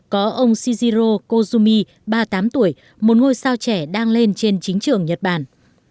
có ông shiziro kozumi ba mươi tám tuổi một ngôi sao trẻ đang lên trên chính trường nhật bản